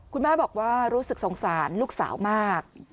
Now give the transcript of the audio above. คุณแม่บอกว่ารู้สึกสงสารลูกสาวมาก